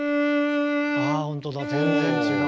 ほんとだ全然違う。